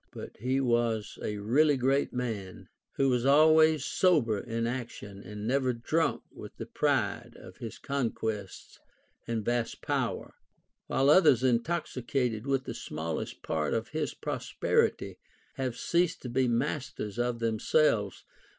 But he Avas a really great man, who was always sober in action and never drunk Avith the pride of his conquests and vast poAver ; while others intoxicated with the smallest part of his prosperity have ceased to be masters of themselves.